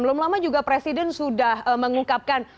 belum lama juga presiden sudah mengungkapkan